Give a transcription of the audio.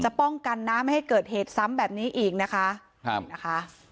ป้องกันน้ำไม่ให้เกิดเหตุซ้ำแบบนี้อีกนะคะครับนะคะ